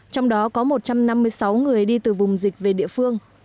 trong đó có một trăm năm mươi sáu người đi từ vùng dịch về địa phương